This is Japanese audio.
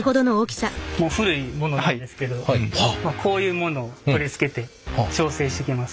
もう古いものなんですけどこういうものを取り付けて調整していきます。